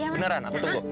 beneran aku tunggu